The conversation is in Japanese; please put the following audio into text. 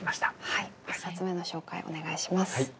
はい１冊目の紹介お願いします。